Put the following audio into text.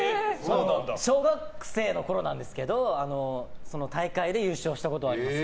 小学生のころなんですけど大会で優勝したことはあります。